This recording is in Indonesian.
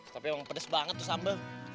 tapi emang pedes banget tuh sambel